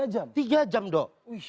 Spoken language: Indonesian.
tiga jam tiga jam doh